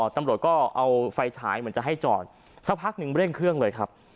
ตำรวจก็เอาไฟฉายเหมือนจะให้จอดสักพักหนึ่งเร่งเครื่องเลยครับ